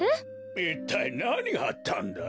いったいなにがあったんだ？